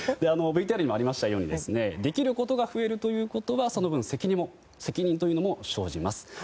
ＶＴＲにもありましたようにできることが増えるということはその分、責任も生じます。